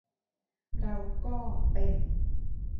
เราก็ 'เป็น'